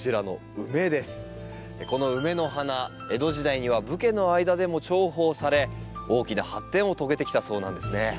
このウメの花江戸時代には武家の間でも重宝され大きな発展を遂げてきたそうなんですね。